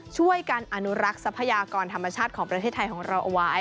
ช่วยกันอนุรักษ์ทรัพยากรธรรมชาติของประเทศไทยของเราเอาไว้